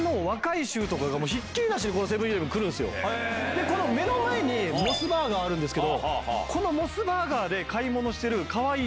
でこの目の前にモスバーガーあるんですけどこのモスバーガーで。